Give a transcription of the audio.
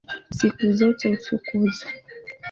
Siku zote utukuzwe.